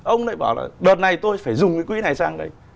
ông lại bảo là đợt này tôi phải dùng cái quỹ này sang đây